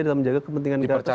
dalam menjaga kepentingan negara